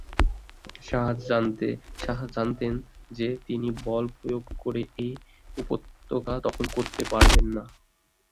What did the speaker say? শাহ জানতেন যে তিনি বলপ্রয়োগ করে এই উপত্যকা দখল করতে পারবেন না।